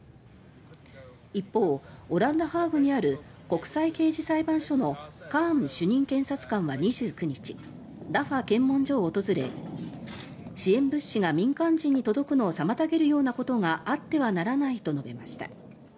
一方、オランダ・ハーグにある国際刑事裁判所のカーン主任検察官は２９日ラファ検問所を訪れ支援物資が民間人に届くのを妨げるようなことがあってはならないと述べました。